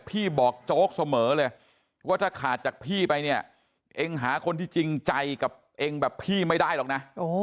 พี่บอกโจ๊กเสมอเลยว่าถ้าขาดจากพี่ไปเนี่ยเองหาคนที่จริงใจกับเองแบบพี่ไม่ได้หรอกนะ